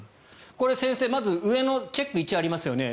先生、まず上のチェック１がありますよね。